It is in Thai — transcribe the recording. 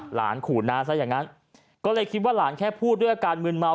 ขู่น้าซะอย่างนั้นก็เลยคิดว่าหลานแค่พูดด้วยอาการมืนเมา